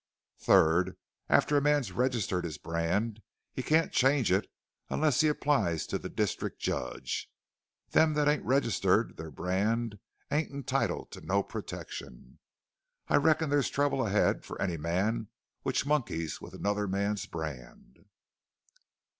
Third: after a man's registered his brand he can't change it unless he applies to the district judge. Them that ain't registered their brand ain't entitled to no protection. I reckon there's trouble ahead for any man which monkeys with another man's brand!